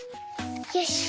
よし。